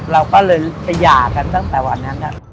เราก็เลยไปหย่ากันตั้งแต่วันนั้นครับ